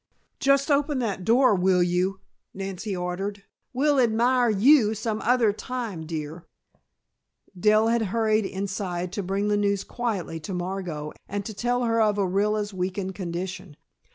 "Just open that door, will you?" Nancy ordered. "We'll admire you some other time, dear." Dell had hurried inside to bring the news quietly to Margot, and to tell her of Orilla's weakened condition.